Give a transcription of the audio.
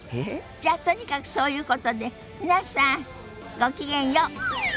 じゃあとにかくそういうことで皆さんごきげんよう。